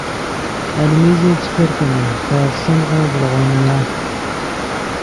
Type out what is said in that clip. المی ژے چے کرکینے پے افسنغو ڤڑغو نیا